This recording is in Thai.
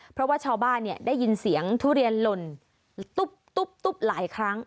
เพราะว่าชาวบ้านเนี่ยได้ยินเสียงทุเรียนหล่นตุ๊บหลายครั้ง